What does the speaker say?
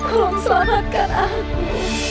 tolong selamatkan aku